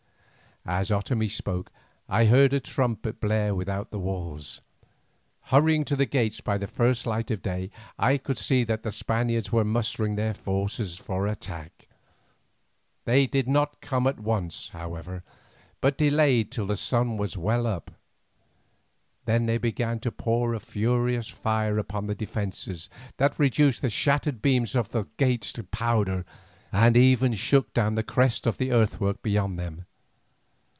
As Otomie spoke I heard a trumpet blare without the walls. Hurrying to the gates by the first light of day, I could see that the Spaniards were mustering their forces for attack. They did not come at once, however, but delayed till the sun was well up. Then they began to pour a furious fire upon our defences, that reduced the shattered beams of the gates to powder, and even shook down the crest of the earthwork beyond them.